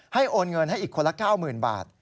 ให้โอนเงินให้กว่าอีกคนละ๙๐๐๐๐บาท